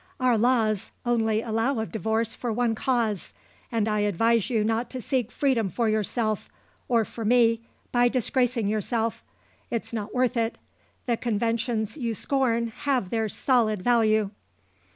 "Our laws only allow of divorce for one cause and I advise you not to seek freedom for yourself or for me by disgracing yourself. It's not worth it. The conventions you scorn have their solid value."